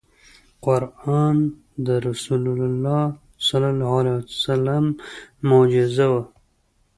قرآن د رسول الله ص معجزه وه .